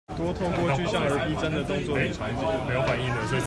多透過具象而逼真的動作與場景